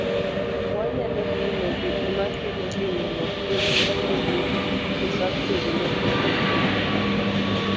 Wanyalo pimo gik ma kelo hinyruok gi muya mawuok e faktori mopogore opogore.